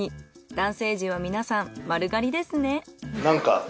男性陣は皆さん丸刈りですね。